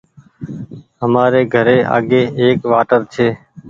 همآري گھري آگي ايڪ واٽر ڇي